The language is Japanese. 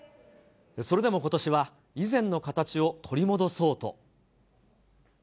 それでもことしは、以前の形を取り戻そうと。